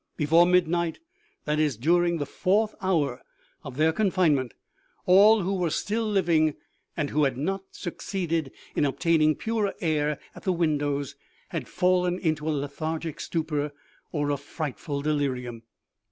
Before midnight, that is, during the fourth hour of their confinement, all who were still living, OMEGA. 53 THE BLACK HOLE OF CALCUTTA. and who had not succeeded in obtaining purer air at the windows, had fallen into a lethargic stupor, or a frightful delirium.